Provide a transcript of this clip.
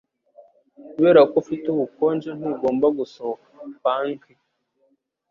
Kubera ko ufite ubukonje, ntugomba gusohoka. (Fanki)